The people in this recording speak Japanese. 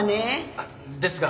あっですが